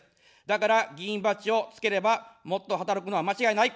だから、議員バッジをつければ、もっと働くのは間違いない。